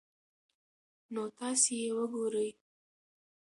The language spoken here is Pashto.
نو تاسي ئې وګورئ